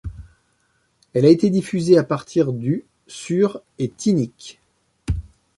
Elle a été diffusée à partir du sur et TeenNick.